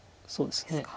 そうですね。